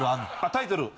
タイトル